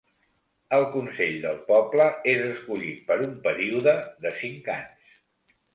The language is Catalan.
El Consell del Poble és escollit per un període de cinc anys.